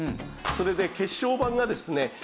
それで血小板がですね